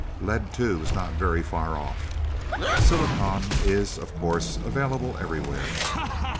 Lead, too, is not very far off. Silicon is, of course, available everywhere.